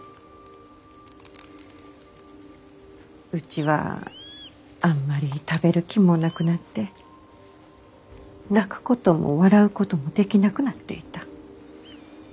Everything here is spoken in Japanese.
うちはあんまり食べる気もなくなって泣くことも笑うこともできなくなっていた。